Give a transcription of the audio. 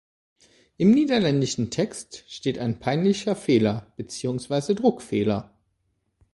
Im niederländischen Text steht ein peinlicher Fehler beziehungsweise Druckfehler.